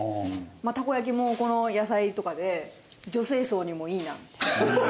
たこ焼きもこの野菜とかで女性層にもいいな。